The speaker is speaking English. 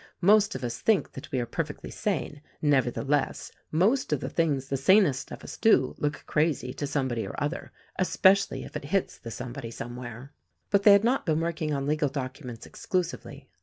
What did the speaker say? Most of us think that we are perfectly sane; never theless, most of the things the sanest of us do, look crazy to somebody or other — especially if it hits the somebody somewhere." But they had not been working on legal documents exclusively.